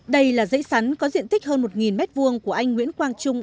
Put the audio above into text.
đây là dãy sắn có diện tích hơn một m hai của anh nguyễn quang trung